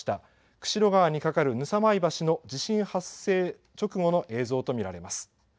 釧路川にかかる幣舞橋の地震発生直後の映像と見られます。